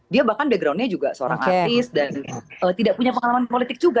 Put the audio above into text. dia bahkan backgroundnya juga seorang artis dan tidak punya pengalaman politik juga